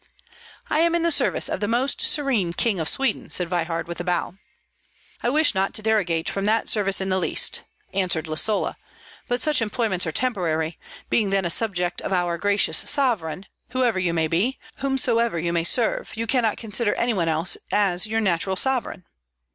"I am in the service of the Most Serene King of Sweden," said Veyhard, with a bow. "I wish not to derogate from that service in the least," answered Lisola, "but such employments are temporary; being then a subject of our gracious sovereign, whoever you may be, whomsoever you may serve, you cannot consider any one else as your natural sovereign."